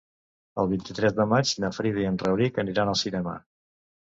El vint-i-tres de maig na Frida i en Rauric aniran al cinema.